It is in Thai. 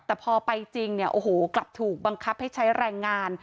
แต่พอไปจริงเนี่ยโอ้โหกลับถูกบังคับให้ใช้แรงงาน